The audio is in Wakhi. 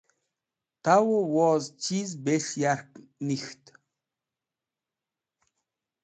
Tawẽ woz chiz bes̃h yark nik̃ht?